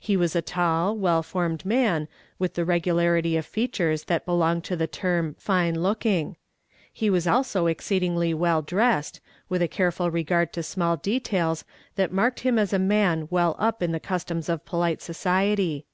He was a tall, well formed man, with the regularity of features that belong to the term "fine looking." He was also ex cecliugly well dressed, with . careful regard to .small detads that marked him as a man well up in the customs of pohte society.